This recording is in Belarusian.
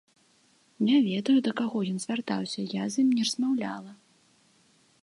Не ведаю, да каго ён звяртаўся, я з ім не размаўляла.